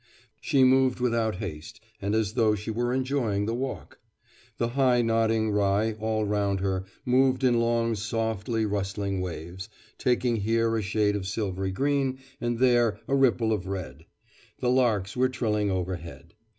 She moved without haste and as though she were enjoying the walk. The high nodding rye all round her moved in long softly rustling waves, taking here a shade of silvery green and there a ripple of red; the larks were trilling overhead.